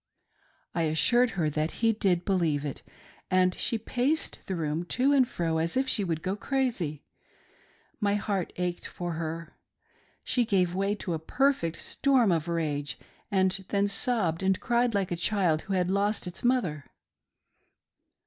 I assured her that he did believe it, and she paced the room, to and fro, as if she would go crazy ; my heart ached for her. She gave way to a perfect storm of rage, and then sobbed and cried like a child who had lost its mother.